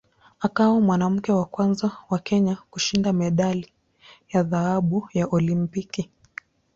Akawa mwanamke wa kwanza wa Kenya kushinda medali ya dhahabu ya Olimpiki.